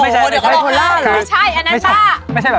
ใช่อันนั้นป่า